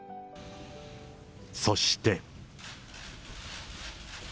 そして。